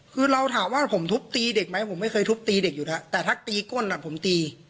คือเราถามว่าผมทุบตีเด็กไหมผมไม่เคยทุบตีเด็กอยู่นะแต่ถ้าตีก้นผมตี